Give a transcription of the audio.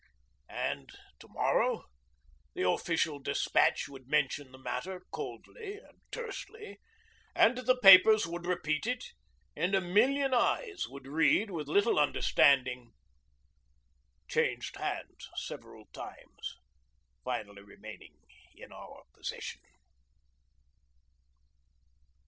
And to morrow the official despatch would mention the matter coldly and tersely; and the papers would repeat it; and a million eyes would read with little understanding ... 'changed hands several times, finally remaining in our possession.'